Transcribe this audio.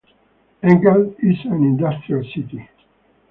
Engels is an industrial city.